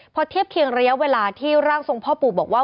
พอเทียบเคียงระยะเวลาที่ร่างทรงพ่อปู่บอกว่า